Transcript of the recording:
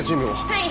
はい。